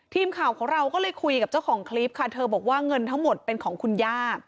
ทีมข่าวของเราก็เลยคุยกับเจ้าของคลิปค่ะเธอบอกว่าเงินทั้งหมดเป็นของคุณย่า